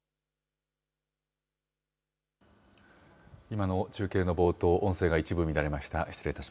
今の中継の冒頭、音声が一部乱れました。